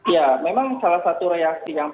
ya memang salah satu reaksi yang